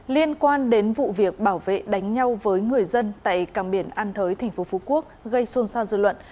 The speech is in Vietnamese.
liên quan đến vụ việc bảo vệ đánh nhau với người dân tại càng biển an thới tp phú quốc gây xôn xao dư luận